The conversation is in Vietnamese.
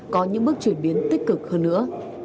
có những bước chuyển biến tích cực hơn nữa